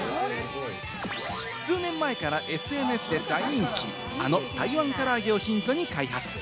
数年前からＳＮＳで大人気、あの台湾からあげをヒントに開発。